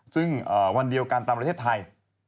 ซึ่งวันเดียวกันตามประเทศไทย